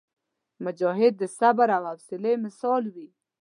مجاهد د صبر او حوصلي مثال وي.